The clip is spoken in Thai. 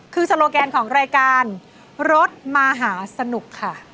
คือโซโลแกนของรายการรถมหาสนุกค่ะ